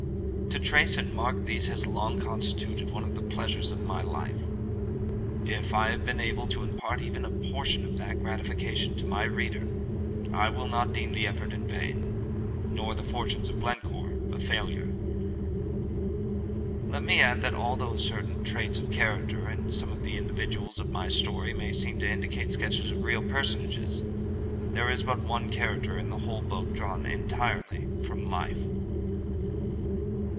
To trace and mark these has long constituted one of the pleasures of my life; if I have been able to impart even a portion of that gratification to my reader, I will not deem the effort in vain, nor the "Fortunes of Glencore" a failure. Let me add that although certain traits of character in some of the individuals of my story may seem to indicate sketches of real personages, there is but one character in the whole book drawn entirely from life.